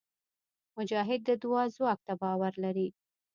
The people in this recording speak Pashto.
مجاهد د دعا ځواک ته باور لري.